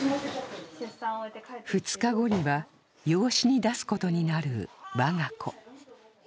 ２日後には養子に出すことになる我が子。